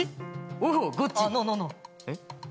えっ？